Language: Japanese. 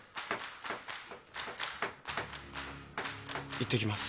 いってきます。